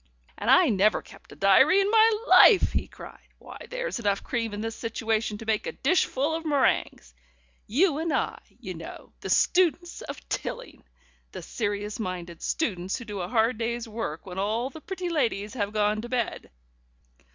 "And I never kept a diary in my life!" he cried. "Why there's enough cream in this situation to make a dishful of meringues. You and I, you know, the students of Tilling! The serious minded students who do a hard day's work when all the pretty ladies have gone to bed.